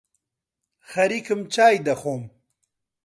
خەریکم چای دەخۆم